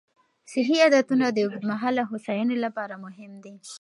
صحي عادتونه د اوږدمهاله هوساینې لپاره مهم دي.